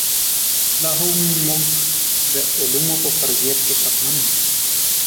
لاهم موږ د علومو په فرضیت کې شکمن یو.